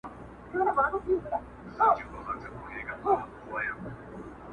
چي لو کونه وينې، ځيني تښته!